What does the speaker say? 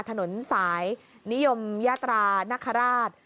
ถนนสายนิยมญาตรานักฮาราช